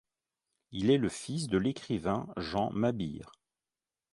Il est le fils de l'écrivain Jean Mabire.